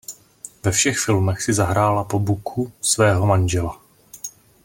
Ve všech filmech si zahrála po buku svého manžela.